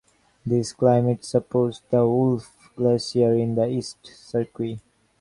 This climate supports the Wolf Glacier in the east cirque.